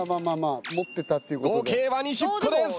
合計は２０個です。